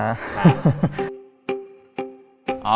ใช่ค่ะ